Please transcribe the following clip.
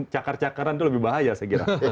cakar cakaran itu lebih bahaya saya kira